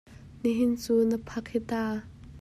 Nihin cu na paak hi ta!